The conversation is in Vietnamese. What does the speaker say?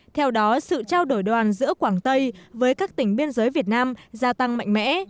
theo đó sự trao đổi đoàn giữa quảng tây với các tỉnh biên giới việt nam gia tăng mạnh mẽ